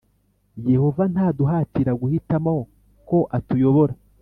Yehova ntaduhatira guhitamo ko atuyobora